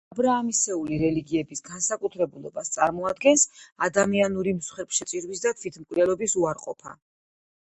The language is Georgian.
აბრაამისეული რელიგიების განსაკუთრებულობას წარმოადგენს ადამიანური მსხვერპლშეწირვის და თვითმკვლელობის უარყოფა.